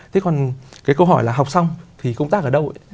thế còn cái câu hỏi là học xong thì công tác ở đâu ạ